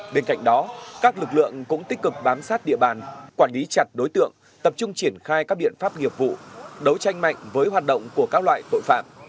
bên cạnh đó các lực lượng cũng tích cực bám sát địa bàn quản lý chặt đối tượng tập trung triển khai các biện pháp nghiệp vụ đấu tranh mạnh với hoạt động của các loại tội phạm